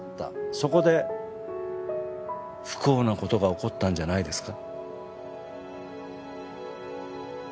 そこで不幸なことが起こったんじゃないですか？